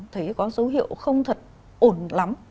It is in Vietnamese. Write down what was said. thấy có dấu hiệu không thật ổn lắm